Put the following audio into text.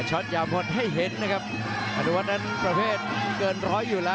อันวัดเบียดเขามาอันวัดโดนชวนแรกแล้ววางแค่ขวาแล้วเสียบด้วยเขาซ้าย